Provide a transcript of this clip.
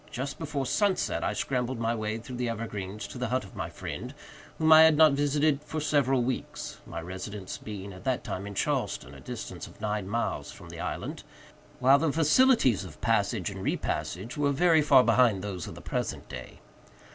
Just before sunset I scrambled my way through the evergreens to the hut of my friend, whom I had not visited for several weeks—my residence being, at that time, in Charleston, a distance of nine miles from the island, while the facilities of passage and re passage were very far behind those of the present day.